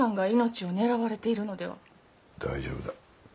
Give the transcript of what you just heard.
大丈夫だ。